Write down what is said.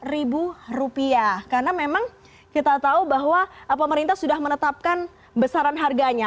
dua ratus ribu rupiah karena memang kita tahu bahwa pemerintah sudah menetapkan besaran harganya